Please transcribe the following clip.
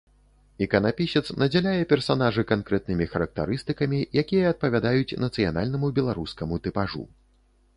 Іканапісец надзяляе персанажы канкрэтнымі характарыстыкамі, якія адпавядаюць нацыянальнаму беларускаму тыпажу.